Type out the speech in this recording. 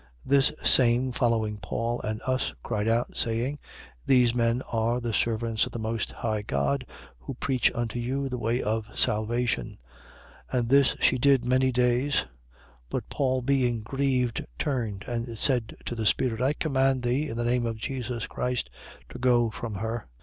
This same following Paul and us, cried out, saying: These men are the servants of the Most High God, who preach unto you the way of salvation. 16:18. And this she did many days. But Paul being grieved, turned and said to the spirit: I command thee, in the name of Jesus Christ, to go from her.